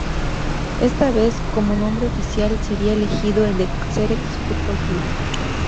Esta vez, como nombre oficial, sería elegido el de Xerez Fútbol Club.